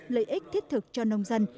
lợi ích thiết thực cho nông dân